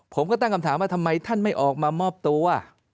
ผมก็ตั้งคำถามว่าทำไมท่านไม่ออกมามอบตัว